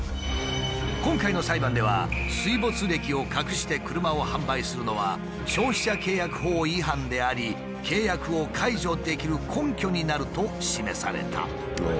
今回の裁判では水没歴を隠して車を販売するのは消費者契約法違反であり契約を解除できる根拠になると示された。